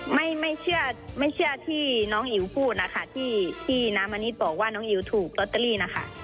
ไม่เชื่อที่น้องอิ๋วพูดนะคะที่น้ำอานิสบอกว่าน้องอิ๋วถูกลอตเตอรี่นะคะ